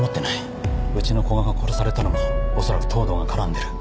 うちの古賀が殺されたのもおそらく藤堂が絡んでる。